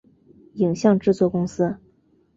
影像制作公司